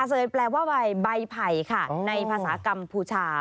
อาเสยร์แปลว่าใบไผ่ค่ะในภาษากรรมภูชา